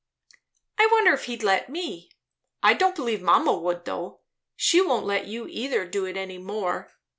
"I wonder if he'd let me? I don't believe mamma would, though. She won't let you either do it any more.